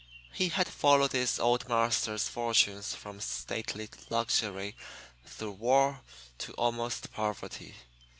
He had followed his "old marster's" fortunes from stately luxury through war to almost poverty.